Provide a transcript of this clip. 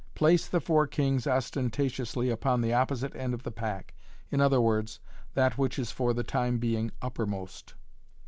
Place the four kings ostenta tiously upon the opposite end of the pack, i.e., that which is for the time being uppermost.